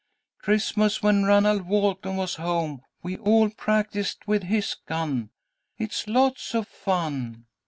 Christmas, when Ranald Walton was home, we all practised with his gun. It's lots of fun.